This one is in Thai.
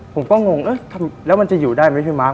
ผมก็งงแล้วมันจะอยู่ได้ไหมพี่มาร์